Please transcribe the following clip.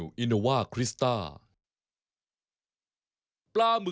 อะไรแก้วแก้มอะไรก็ไม่รู้